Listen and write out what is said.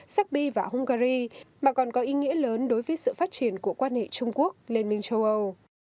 serbia và hungary mà còn có ý nghĩa lớn đối với sự phát triển của quan hệ trung quốc liên minh châu âu